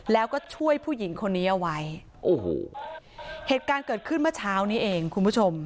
แล้วก็ช่วยผู้หญิงคนนี้เอาไว้โอ้โหเหตุการณ์เกิดขึ้นเมื่อเช้านี้เองคุณผู้ชม